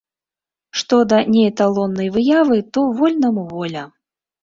Што да неэталоннай выявы, то вольнаму воля.